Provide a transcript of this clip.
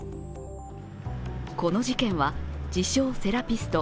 この事件は自称・セラピスト